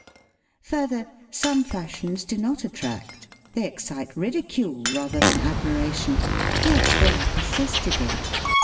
Further, some fashions do not attract ; thej excite ridi cule rather than admiration; yet they are per sJBted in.